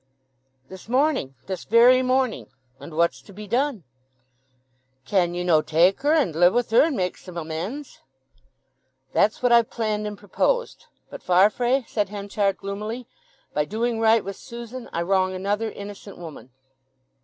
"This morning—this very morning. And what's to be done?" "Can ye no' take her and live with her, and make some amends?" "That's what I've planned and proposed. But, Farfrae," said Henchard gloomily, "by doing right with Susan I wrong another innocent woman."